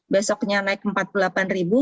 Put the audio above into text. besoknya naik empat puluh delapan ribu